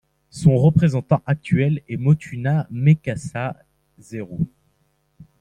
Son représentant actuel est Motuma Meqasa Zeru.